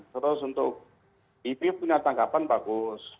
terus untuk ipi punya tanggapan bagus